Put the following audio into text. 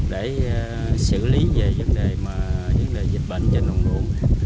để xử lý về vấn đề dịch bệnh trên đồng ruộng